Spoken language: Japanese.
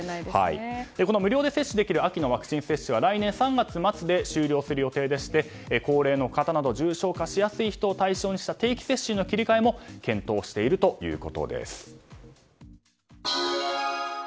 この無料で接種できる秋のワクチン接種は来月末終了する予定でして高齢の方など重症化しやすい人を対象にした定期接種への切り替えも検討しているということです。